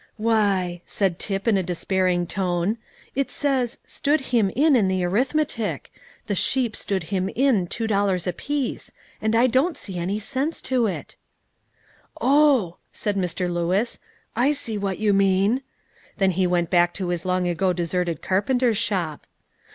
"Why," said Tip, in a despairing tone, "it says 'stood him in' in the arithmetic, the sheep stood him in two dollars apiece, and I don't see any sense to it." "Oh!" said Mr. Lewis; "I see what you mean;" then he went back to his long ago deserted carpenter's shop.